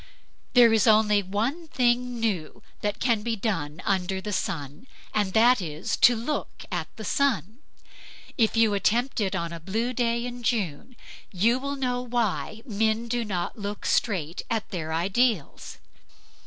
There is only one thing new that can be done under the sun; and that is to look at the sun. If you attempt it on a blue day in June, you will know why men do not look straight at their ideals.